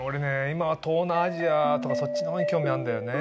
今は東南アジアとかそっちのほうに興味あんだよね。